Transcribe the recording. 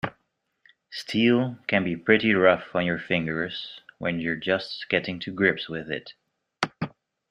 Steel can be pretty rough on your fingers when you're just getting to grips with it.